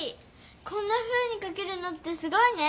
こんなふうにかけるなんてすごいね！